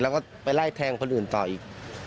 แล้วก็ไปไล่แทงคนอื่นต่ออีก